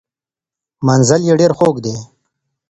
منزل یې ډیر خوږ دی.